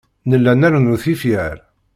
Nella nrennu tifyar.